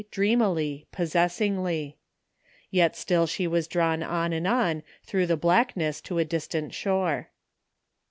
dreamily, possessingly. Yet still she was drawn on and on through the blackness to a distant shore.